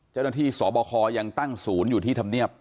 เจ้าหน้าที่สวบคอยังตั้งศูนย์อยู่ที่ธรรมเนียบ